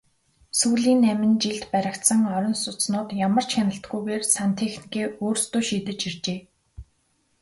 Сүүлийн найман жилд баригдсан орон сууцнууд ямар ч хяналтгүйгээр сантехникээ өөрсдөө шийдэж иржээ.